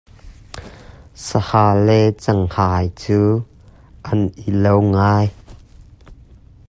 Sahal le cenghngia cu an i lo ngai.